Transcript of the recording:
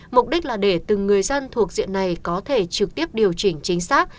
mục đích là để từng người dân thuộc diện này có thể trực tiếp điều chỉnh chính xác